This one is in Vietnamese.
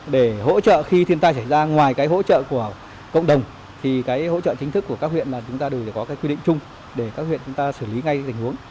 để hỗ trợ khi thiên tai xảy ra ngoài cái hỗ trợ của cộng đồng thì cái hỗ trợ chính thức của các huyện là chúng ta đều có cái quy định chung để các huyện chúng ta xử lý ngay tình huống